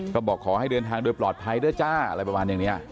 ก็บอกขอให้เดินทางโดยปลอดภัยด้วยจ้าอะไรประมาณอย่างนี้